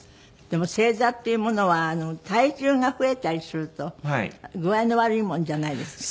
でも正座っていうものは体重が増えたりすると具合の悪いもんじゃないですか？